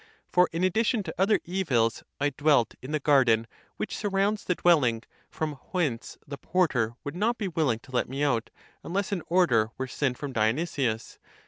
For in addition to other evils, 1 dwelt in the garden? which surrounds the dwelling, from whence the porter would not be willing to let me out, unless an order were sent from Dionysius.